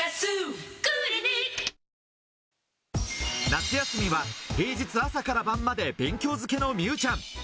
夏休みは平日朝から晩まで勉強漬けの美羽ちゃん。